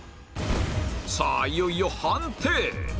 さあいよいよ判定！